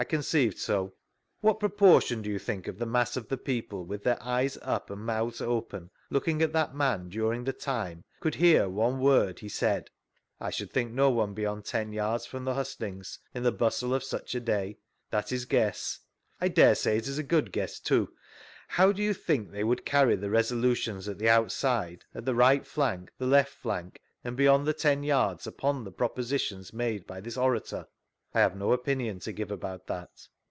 conceived so. What proportion, do you think, of the mass of the people, with their eyes up, and mouths open, looking at that man during the time, could hear one word he said P — I should think no one beyond ten yards from the hustings, in the bustle of such a day — that is guess. I daresay it is a good guess, too; how do you think they would carry the res<^utions at the out side, at the right fiank, the left dank, and beyond the ten yards, upon the propositions made by this orator P— I have no opinion to give about that.